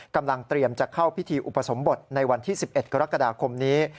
เตรียมจะเข้าพิธีอุปสมบทในวันที่๑๑กรกฎาคมนี้